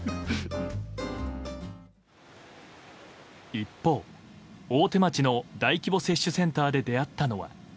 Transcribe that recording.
一方、大手町の大規模接種センターで出会ったのは。